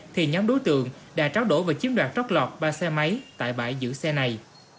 thì nhóm đối tượng đã tráo đổ và chiếm đoạt trót lọt ba xe máy tại bãi giữ xe này